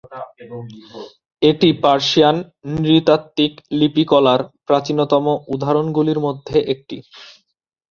এটি পার্সিয়ান নৃতাত্ত্বিক লিপিকলার প্রাচীনতম উদাহরণগুলির মধ্যে একটি।